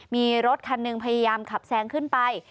มีรถคันหนึ่งพยายามขับแซงขึ้นไป